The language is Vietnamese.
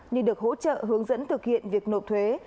như được hỗ trợ hướng dẫn thực hiện việc nộp thuế